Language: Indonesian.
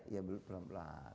ya belum pelan pelan